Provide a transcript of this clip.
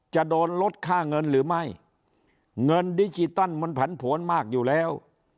จะโดนลดค่าเงินหรือไม่เงินดิจิตัลมันผันผวนมากอยู่แล้ว